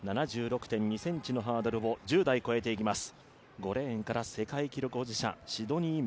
７６．２ｃｍのハードルを１０台越えていきます。